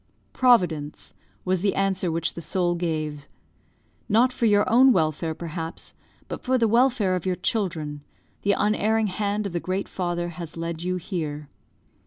"Providence," was the answer which the soul gave. "Not for your own welfare, perhaps, but for the welfare of your children, the unerring hand of the Great Father has led you here.